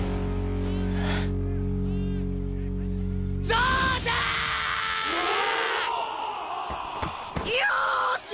よし！